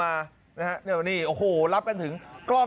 สมัยไม่เรียกหวังผม